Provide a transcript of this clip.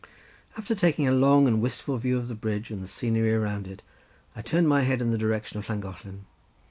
After taking a long and wistful view of the bridge and the scenery around it, I turned my head in the direction of Llangollen.